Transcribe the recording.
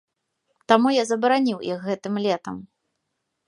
Таму я забараніў іх гэтым летам.